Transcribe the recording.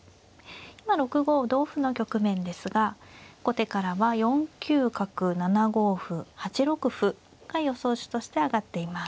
今６五同歩の局面ですが後手からは４九角７五歩８六歩が予想手として挙がっています。